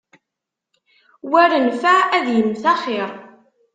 War nnfeɛ ad immet axiṛ.